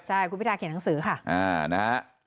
ใช่คุณพิทาเขียนหนังสือค่ะนะฮะ